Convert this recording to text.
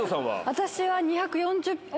私は２４０歩。